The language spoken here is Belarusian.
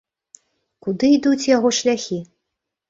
Куды ідуць яго шляхі?